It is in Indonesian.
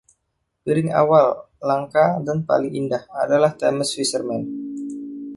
Piring awal, langka, dan paling indah, adalah "Thames Fisherman".